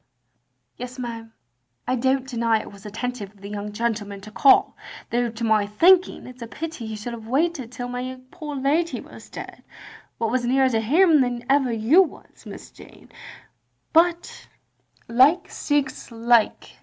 "Yes, ma'am, I don't deny it was attentive of the young gentleman to call — ^though to my thinking it 's a pity he should have waited till my poor lady was dead, what was nearer to him than ever you was. Miss Jane — ^but like seeks like.